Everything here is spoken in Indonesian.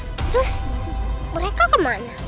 terus mereka kemana